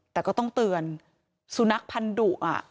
แต่ก็ต้องเตือนสุนัขพันธุ